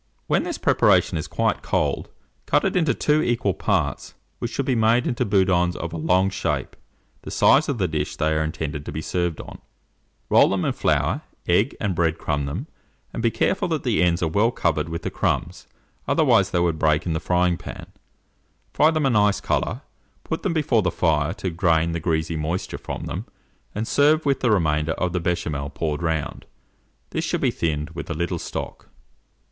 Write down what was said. When this preparation is quite cold, cut it into 2 equal parts, which should be made into boudins of a long shape, the size of the dish they are intended to be served on; roll them in flour, egg and bread crumb them, and be careful that the ends are well covered with the crumbs, otherwise they would break in the frying pan; fry them a nice colour, put them before the fire to drain the greasy moisture from them, and serve with the remainder of the Béchamel poured round: this should be thinned with a little stock.